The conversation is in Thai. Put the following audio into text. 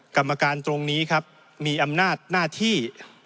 กรรมการตรงนี้ครับมีอำนาจหน้าที่